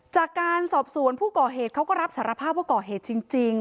จากการสอบสวนผู้ก่อเหตุเขาก็รับสารภาพว่าก่อเหตุจริง